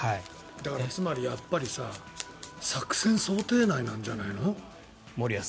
だからつまり作戦、想定内なんじゃないの。